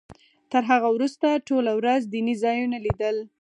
تر هغه وروسته ټوله ورځ دیني ځایونه لیدل.